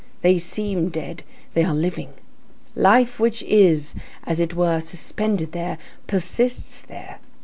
They seem dead, they are living. Life which is, as it were, suspended there, persists there.